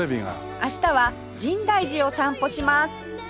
明日は深大寺を散歩します